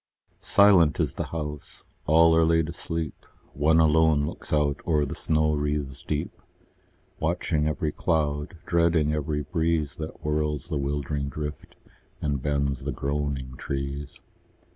Silent is the house: all are laid asleep: One alone looks out o'er the snow wreaths deep, Watching every cloud, dreading every breeze That whirls the wildering drift, and bends the groaning trees.